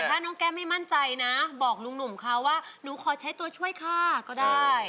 ถ้าน้องแก้มไม่มั่นใจนะบอกลุงหนุ่มเขาว่าหนูขอใช้ตัวช่วยค่ะก็ได้